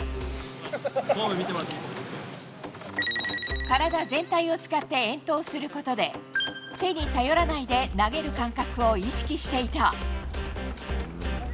フォーム見てもらっていいで体全体を使って遠投することで、手に頼らないで投げる感覚を意識していた。